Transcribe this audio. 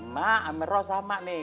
mak amir rok sama nih